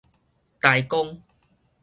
舵公